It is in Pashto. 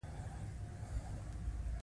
دوی ځان یې شیورتیلي ته رسولی وو.